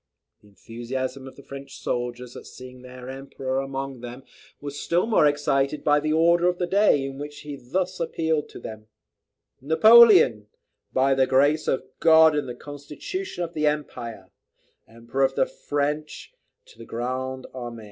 The enthusiasm of the French soldiers at seeing their Emperor among them, was still more excited by the "Order of the day," in which he thus appealed to them: "Napoleon, by the Grace of God, and the Constitution of the Empire, Emperor of the French, &c. to the Grand Army.